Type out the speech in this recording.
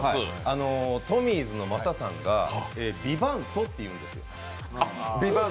トミーズの雅さんがビバントって言うんです。